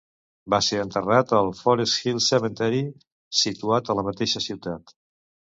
Va ser enterrat al Forest Hill Cemetery situat a la mateixa ciutat.